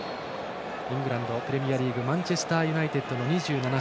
イングランドプレミアリーグマンチェスターユナイテッドの選手。